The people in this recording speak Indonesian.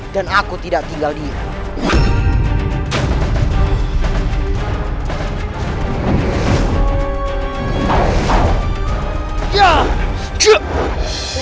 dan aku tidak tinggal di sini